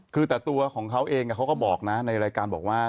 คือแต่ตัวของเขาเองเขาก็บอกนะในรายการบอกว่า